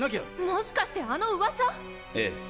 もしかしてあの噂⁉ええ。